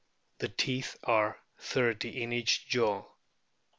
The teeth are thirty in each jaw.